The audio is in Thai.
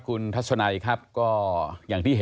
คุณทัศนาควดทองเลยค่ะ